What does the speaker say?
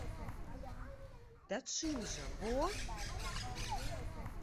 Да чым жа, бо?